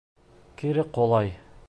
Кире ҡолай.